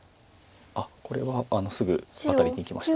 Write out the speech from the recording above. これはすぐワタりにいきました。